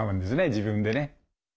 自分でね。